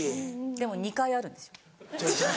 でも２回あるんですよ。